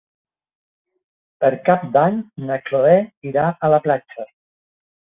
Per Cap d'Any na Chloé irà a la platja.